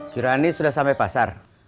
kirani sudah sampai pasar